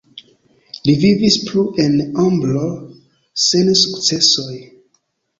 Li vivis plu en "ombro" sen sukcesoj.